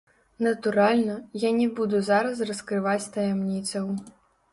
Натуральна, я не буду зараз раскрываць таямніцаў.